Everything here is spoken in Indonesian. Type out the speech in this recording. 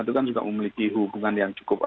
itu kan juga memiliki hubungan yang cukup